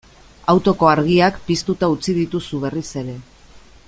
Autoko argiak piztuta utzi dituzu berriz ere.